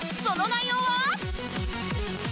その内容は